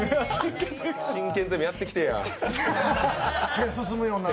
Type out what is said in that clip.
進研ゼミやってきてや。